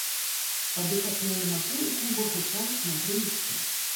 Пад іх асноўны матыў у клубах гучала шмат рэміксаў.